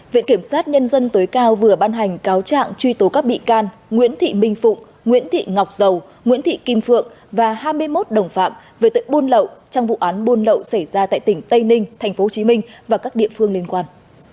viện kiểm sát nhân dân tối cao vừa ban hành cáo trạng truy tố các bị can nguyễn thị minh phụng nguyễn thị ngọc dầu nguyễn thị kim phượng và hai mươi một đồng phạm về tội buôn lậu trong vụ án buôn lậu xảy ra tại tỉnh tây ninh tp hcm và các địa phương liên quan